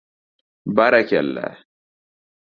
— Barakalla.